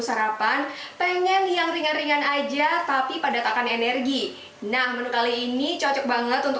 sarapan pengen yang ringan ringan aja tapi padat akan energi nah menu kali ini cocok banget untuk